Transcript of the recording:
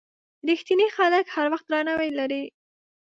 رښتیني خلک هر وخت درناوی لري.